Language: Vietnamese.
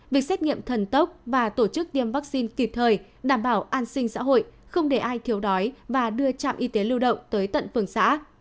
việc xét nghiệm thần tốc và tổ chức tiêm vaccine kịp thời đảm bảo an sinh xã hội không để ai thiếu đói và đưa trạm y tế lưu động tới tận phường xã